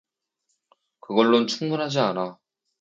그걸론 충분하지 않아.